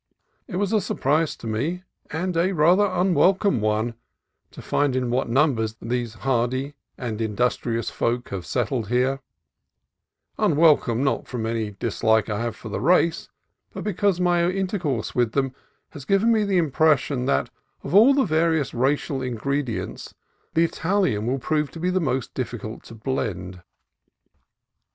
It was a surprise to me, and a rather unwel come one, to find in what numbers these hardy and industrious folk have settled here: unwelcome, not from any dislike I have for the race, but because my intercourse with them has given me the impression that, of all the various racial ingredients, the Ital ian will prove to be the most difficult to blend.